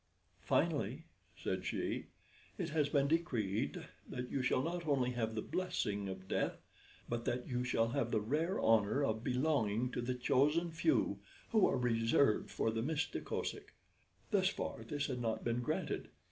"Finally," said she, "it has been decreed that you shall not only have the blessing of death, but that you shall have the rare honor of belonging to the chosen few who are reserved for the Mista Kosek. Thus far this had not been granted.